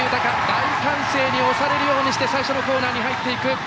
大歓声に押されるようにして最初のコーナー。